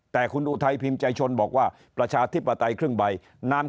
แต่คุณอุทัยพิมพ์ใจชนบอกว่าประชาธิปไตยครึ่งใบน้ำ